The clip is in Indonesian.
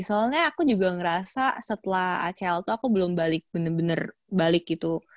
soalnya aku juga ngerasa setelah acl tuh aku belum balik bener bener balik gitu